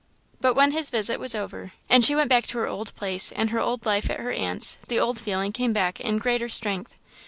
But when his visit was over, and she went back to her old place and her old life at her aunt's, the old feeling came back in greater strength.